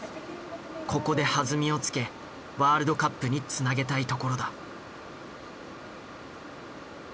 ここで弾みをつけワールドカップにつなげたいところだ。